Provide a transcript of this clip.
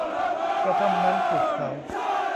กระท่อมนั้นถูกเผา